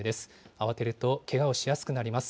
慌てるとけがをしやすくなります。